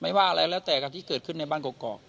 ว่าอะไรแล้วแต่กับที่เกิดขึ้นในบ้านกรอก